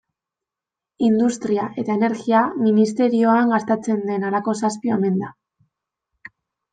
Industria eta Energia ministerioan gastatzen den halako zazpi omen da.